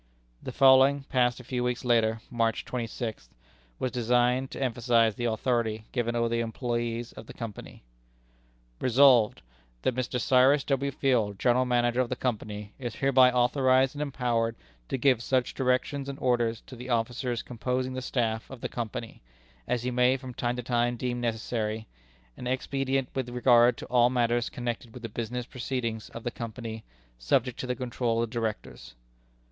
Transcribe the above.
The following, passed a few weeks later, March 26, was designed to emphasize the authority given over all the employés of the Company: "Resolved, That Mr. Cyrus W. Field, General Manager of the Company, is hereby authorized and empowered to give such directions and orders to the officers composing the staff of the Company, as he may from time to time deem necessary and expedient with regard to all matters connected with the business proceedings of the Company, subject to the control of the Directors.